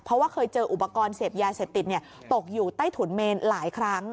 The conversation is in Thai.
เพราะว่าเคยเจออุปกรณ์เสพยาเสพติดตกอยู่ใต้ถุนเมนหลายครั้ง